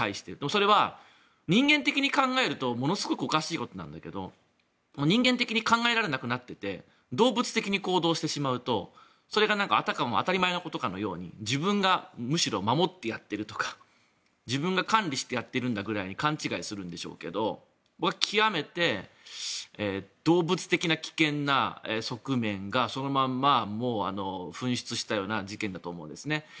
それは人間的に考えるとものすごくおかしいことなんだけど人間的に考えられなくなっていて動物的に行動してしまうとそれが当たり前のことかのように自分がむしろ守ってやっているとか自分が管理してやってるんだぐらいに勘違いするんでしょうけどこれは極めて動物的な危険な側面がそのまま噴出したような事件だと思うんですね。